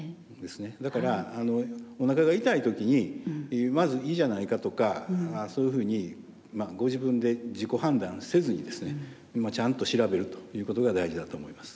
だからおなかが痛い時にまず胃じゃないかとかそういうふうにご自分で自己判断せずにですねちゃんと調べるということが大事だと思います。